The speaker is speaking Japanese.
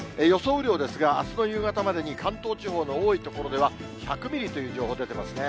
雨量ですが、あすの夕方までに関東地方の多い所では、１００ミリという情報出てますね。